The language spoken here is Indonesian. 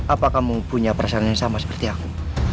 apakah kamu punya perasaan yang sama seperti aku